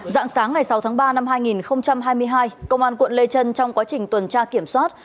dạng sáng ngày sáu tháng ba năm hai nghìn hai mươi hai công an quận lê trân trong quá trình tuần tra kiểm soát